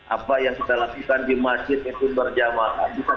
apa yang kita lakukan di masjid itu berjamaah